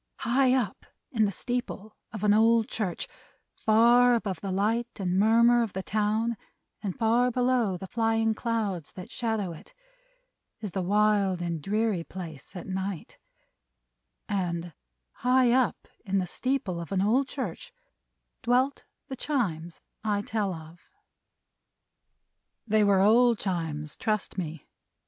High up in the steeple of an old church, far above the light and murmur of the town and far below the flying clouds that shadow it, is the wild and dreary place at night: and high up in the steeple of an old church, dwelt the Chimes I tell of. They were old Chimes, trust me.